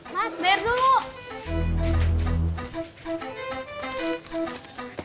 mas biar dulu